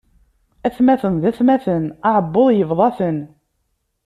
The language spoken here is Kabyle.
Atmaten d atmaten, aɛubbuḍ yebḍa-ten.